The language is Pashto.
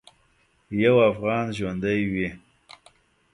یو افغان ژوندی وي.